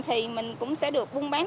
thì mình cũng sẽ được vun bán